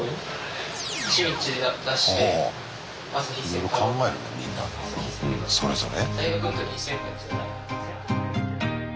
いろいろ考えるねみんなそれぞれ。